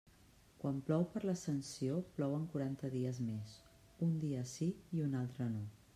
Quan plou per l'Ascensió, plouen quaranta dies més; un dia sí i un altre no.